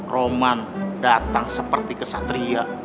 roman datang seperti kesatria